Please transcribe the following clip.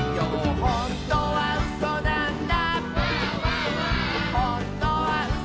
「ほんとにうそなんだ」